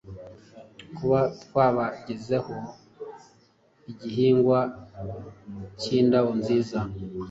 kuba twabagezaho igihingwa cy’Indabo nziza